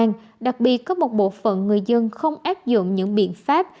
đặc biệt có một bộ phận người dân không áp dụng những biện pháp